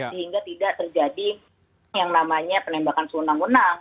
sehingga tidak terjadi yang namanya penembakan sewenang wenang